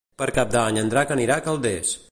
Per Cap d'Any en Drac anirà a Calders.